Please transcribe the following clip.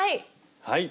はい！